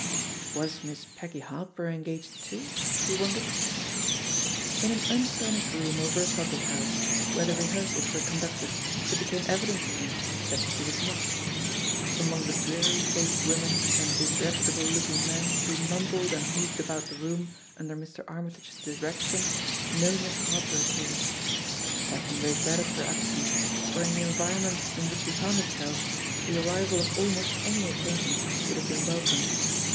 Was Miss Peggy Harper engaged too? he jrondered. In an unfurnished room over a public house, where the rehearsals were conducted, it became evident to him that she was not. Among the dreary faced wcnnen and disreputable looking men who mumbled and moved about the room under Mr. Armytage's direction, no Miss Har per appeared. Tatham regretted her absence, for in the environment in which he found him self the arrival of almost any acquaintance would have been welcome.